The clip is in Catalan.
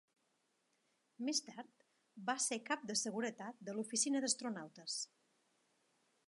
Més tard, va ser cap de seguretat de l'Oficina d'Astronautes.